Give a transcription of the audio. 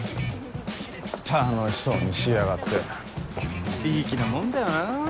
楽しそうにしやがっていい気なもんだよなぁ。